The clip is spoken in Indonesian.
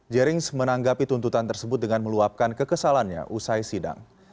jerings menanggapi tuntutan tersebut dengan meluapkan kekesalannya usai sidang